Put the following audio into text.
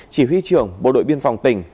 chỉ huy trưởng bộ đội biên phòng tỉnh